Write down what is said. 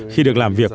khi được làm việc